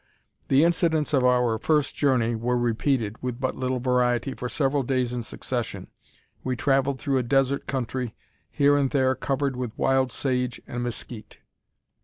The incidents of our first journey were repeated, with but little variety, for several days in succession. We travelled through a desert country, here and there covered with wild sage and mezquite.